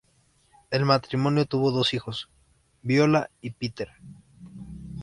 El matrimonio tuvo dos hijos, Viola y Peter.